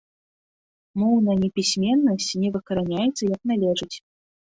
Моўная непісьменнасць не выкараняецца як належыць.